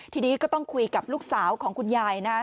ทีนี้ก็ต้องคุยกับลูกสาวของคุณยายนะ